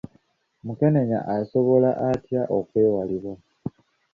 Mukenenya asobola atya okwewalibwa?